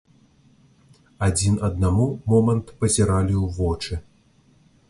Адзін аднаму момант пазіралі ў вочы.